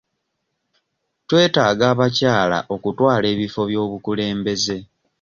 Twetaaga abakyala okutwala ebifo by'obukulembeze.